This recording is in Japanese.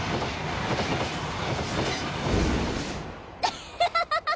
アハハハ！